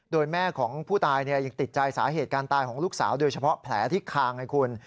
โดยแม่ของผู้ตายยังติดใจสาเหตุการตายของลูกสาวโดยเฉพาะแผลที่คางไงคุณ